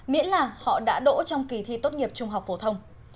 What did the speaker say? miễn là họ đã đỗ trong kỳ thi tốt nghiệp trung học phổ thông